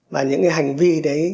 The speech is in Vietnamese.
và những cái hành vi đấy